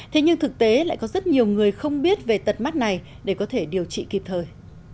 thế nhưng thực tế lại có rất nhiều người không biết về tật mắt này để có thể điều trị kịp thời